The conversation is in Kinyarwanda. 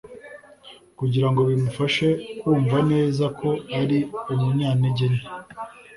kugira ngo bimufashe kwumva neza ko ari umunyantege nke,